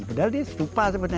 padahal dia stupa sebenarnya kan